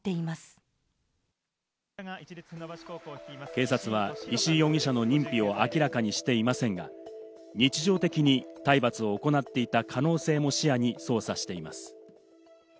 警察は石井容疑者の認否を明らかにしていませんが、日常的に体罰を行っていた可能性も視野に捜査しています。